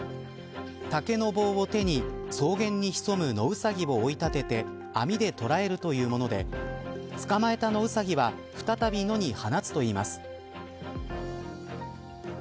竹の棒を手に草原に潜む野ウサギを追い立てて網で捉えるというもので捕まえた野ウサギは再び野に放すといいます。